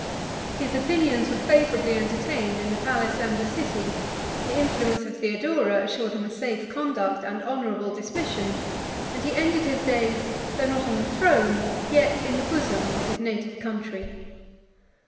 His opinions were favorably entertained in the palace and the city; the influence of Theodora assured him a safe conduct and honorable dismission; and he ended his days, though not on the throne, yet in the bosom, of his native country.